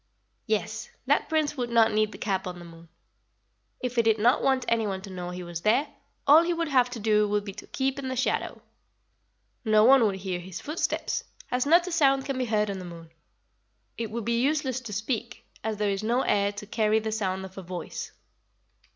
"Yes; that prince would not need the cap on the moon. If he did not want anyone to know he was there, all he would have to do would be to keep in the shadow. No one would hear his footsteps, as not a sound can be heard on the moon. It would be useless to speak, as there is no air to carry the sound of a voice."